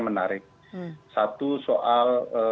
menarik satu soal